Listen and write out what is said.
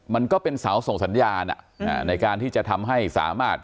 มันก็เป็นเสาส่งสัญญาณในการที่จะทำให้สามารถ